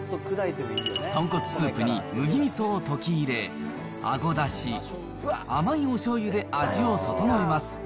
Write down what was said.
豚骨スープに麦みそを溶き入れ、あごだし、甘いおしょうゆで味を調えます。